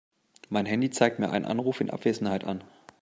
Mein Handy zeigt mir einen Anruf in Abwesenheit an.